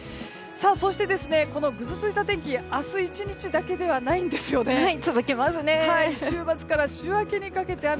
そして、このぐずついた天気明日１日だけではないんですね。週末から週明けにかけて雨。